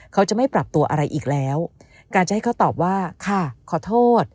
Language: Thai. เขาจะไม่ปรับตัวอะไรอีกแล้วการจะให้เขาตอบว่าค่ะขอโทษ